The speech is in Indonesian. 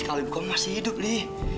kalau ibu kamu masih hidup nih